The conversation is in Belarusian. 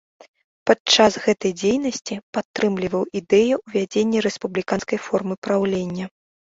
Падчас гэтай дзейнасці падтрымліваў ідэю ўвядзення рэспубліканскай формы праўлення.